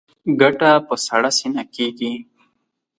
ګټه په سړه سینه کېږي.